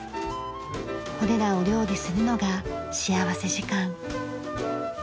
これらを料理するのが幸福時間。